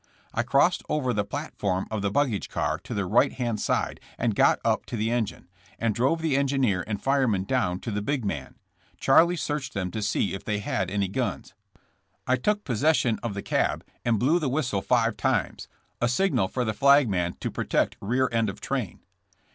I crossed over the platform of the baggage car to the right hand side and got up to the engine, and drove the engineer and fireman down to the big man. Charlie searched them to see if they had any guns. *'I took possession of the cab and blew the whis tle five times, a signal for the flagman to protect rear end of train.